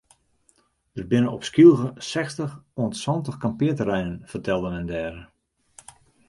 Der binne op Skylge sechstich oant santich kampearterreinen fertelde men dêre.